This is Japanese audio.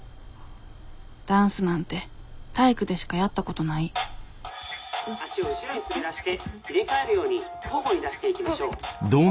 ダンスなんて体育でしかやったことない「足を後ろに滑らして入れ替えるように交互に出していきましょう」。